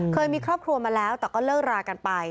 เคยมีครอบครัวมาแล้วแต่ก็เลิกรากันไป